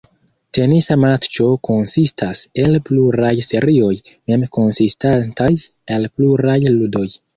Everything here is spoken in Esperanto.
Tenisa matĉo konsistas el pluraj serioj, mem konsistantaj el pluraj ludoj.